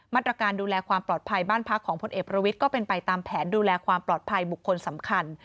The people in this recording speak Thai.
มาตรการดูแลความปลอดภัยบ้านพักของพลเอกประวิทย์ก็เป็นไปตามแผนดูแลความปลอดภัยบุคคลสำคัญ